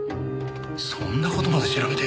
そんな事まで調べて！